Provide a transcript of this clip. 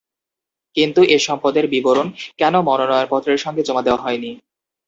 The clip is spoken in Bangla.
কিন্তু এ সম্পদের বিবরণ কেন মনোনয়নপত্রের সঙ্গে জমা দেওয়া হয়নি?